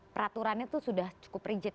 peraturannya itu sudah cukup rigid